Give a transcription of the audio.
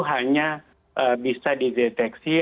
hanya bisa dideteksi